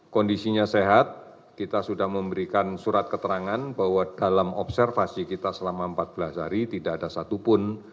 kondisinya sehat kita sudah memberikan surat keterangan bahwa dalam observasi kita selama empat belas hari tidak ada satupun